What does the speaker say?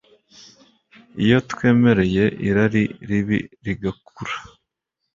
Iyo twemereye irari ribi rigakura,